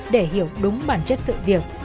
để hiểu đúng bản chất sự việc